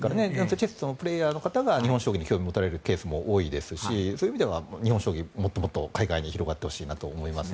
チェスのプレーヤーの方が日本将棋に興味を持たれる方も多いですからそういう意味でも日本将棋がもっと海外に広がってほしいと思います。